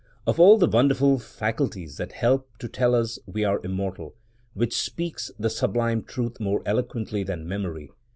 Of all the wonderful faculties that help to tell us we are immortal, which speaks the sublime truth more eloquently than memory?